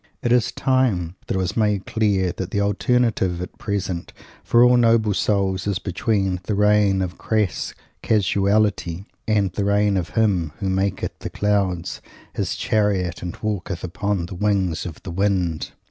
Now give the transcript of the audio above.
It is time that it was made clear that the alternative at present for all noble souls is between the reign of "crass Casuality" and the reign of Him "who maketh the clouds His chariot and walketh upon the wings of the wind."